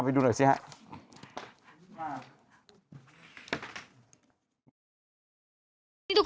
ไปดูหน่อยสิฮะ